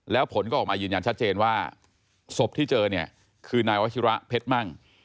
แล้วผลก็ออกมายืนยันชัดเจนว่าศพที่เจอเนี่ยคือนายวัชิระเพชรมั่ง